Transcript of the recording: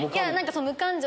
無感情！